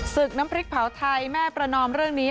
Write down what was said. ศึกน้ำพริกเผาไทยแม่ประนอมเรื่องนี้